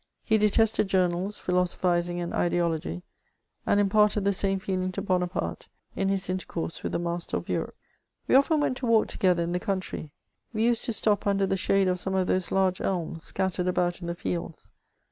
He detested journals^ philosophising, and ideology, and imparted the same feeling to Bonaparte, m his intercourse with the Master of Europe. CHATEAUBRIAND. 411 We ofiten went to walk together in the country ; we used to stop under the shade of some of those large elms, scattered about in the fields.